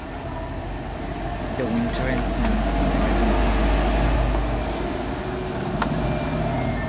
The winter and snow arrive in early December.